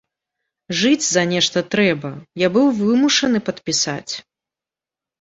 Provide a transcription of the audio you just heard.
Жыць за нешта трэба, я быў вымушаны падпісаць.